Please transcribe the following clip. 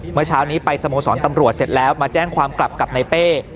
เมื่อเช้านี้เราไปสโลศัณฑ์ประโยชน์สองดำรวจเสร็จแล้วมาแจ้งความกลับกับนายเป้